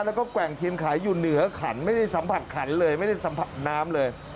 แล้วก็แกว่งเทียนขายอยู่เหนือขันไม่ได้สัมผัสขันเลยไม่ได้สัมผัสน้ำเลย